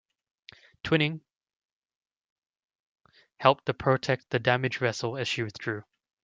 "Twining" helped to protect the damaged vessel as she withdrew.